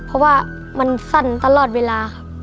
เพราะว่ามันสั้นตลอดเวลาครับ